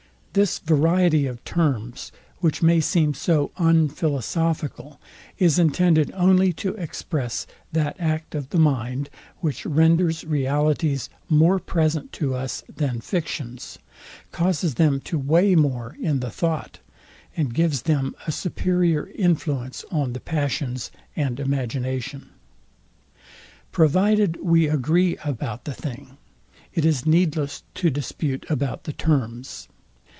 This variety of terms, which may seem so unphilosophical, is intended only to express that act of the mind, which renders realities more present to us than fictions, causes them to weigh more in the thought, and gives them a superior influence on the passions and imagination. Provided we agree about the thing, it is needless to dispute about the terms.